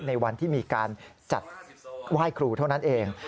ในวันที่มีการจัดไหว้ครูเท่านั้นเอง